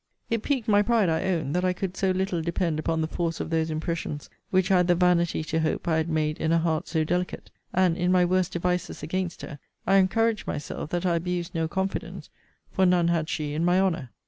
'It piqued my pride, I own, that I could so little depend upon the force of those impressions which I had the vanity to hope I had made in a heart so delicate; and, in my worst devices against her, I encouraged myself that I abused no confidence; for none had she in my honour.